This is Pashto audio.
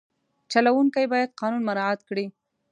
چلوونکی باید قانون مراعت کړي.